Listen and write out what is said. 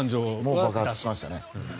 爆発しましたね。